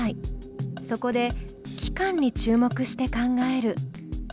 そこで器官に注目して考える。